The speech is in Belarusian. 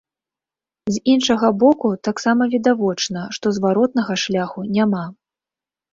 З іншага боку, таксама відавочна, што зваротнага шляху няма.